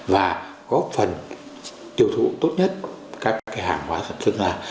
và góp phần tiêu thụ tốt nhất các cái hàng hóa sản xuất ra